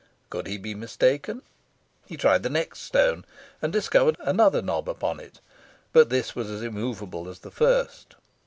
Could he be mistaken? He tried the next stone, and discovered another knob upon it, but this was as immovable as the first.